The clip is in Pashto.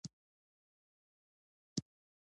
ایا زما مور او پلار به خوشحاله وي؟